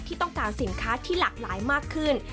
ที่ต้องการสินค้าที่หลากหลายมากขึ้น